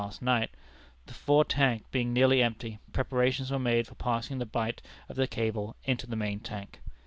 last night), the fore tank being nearly empty, preparations were made for passing the bight of the cable into the main tank.